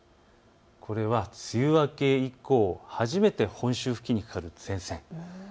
これは梅雨明け以降、初めて本州付近にかかる前線。